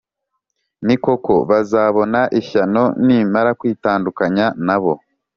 ni koko, bazabona ishyano nimara kwitandukanya na bo!